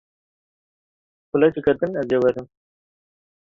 Xulekeke din ez ê werim.